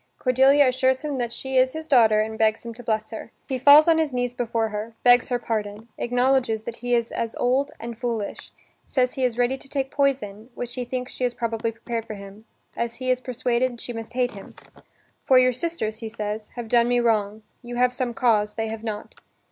Cordelia assures him that she is his daughter, and begs him to bless her. He falls on his knees before her, begs her pardon, acknowledges that he is as old and foolish, says he is ready to take poison, which he thinks she has probably prepared for him, as he is persuaded she must hate him. ("For your sisters," he says, "have done me wrong: you have some cause, they have not.")